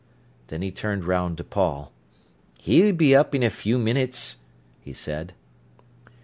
Then he turned round to Paul. "He'll be up in a few minutes," he said.